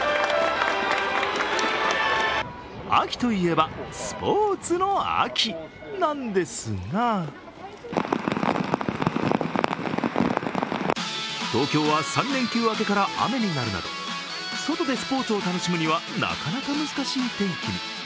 秋といえば、スポーツの秋なんですが東京は、３連休明けから雨になるなど、外でスポーツを楽しむにはなかなか難しい天気に。